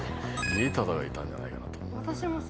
家忠がいたんじゃないかなと思うんだよな